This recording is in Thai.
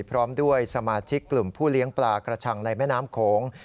พร้อมด้วยสมาชิกกลุ่มผู้เลี้ยงปลากระชังในแม่น้ำโขง